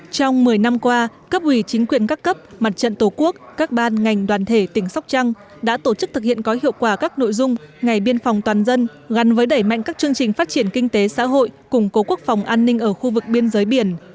trong một mươi năm qua cấp ủy chính quyền các cấp mặt trận tổ quốc các ban ngành đoàn thể tỉnh sóc trăng đã tổ chức thực hiện có hiệu quả các nội dung ngày biên phòng toàn dân gắn với đẩy mạnh các chương trình phát triển kinh tế xã hội củng cố quốc phòng an ninh ở khu vực biên giới biển